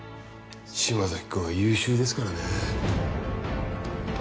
島崎くんは優秀ですからね。